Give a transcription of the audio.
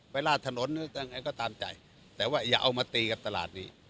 ไปลาดถนนก็ตามใจแต่ว่าอย่าเอามาตีกับตลาดนี้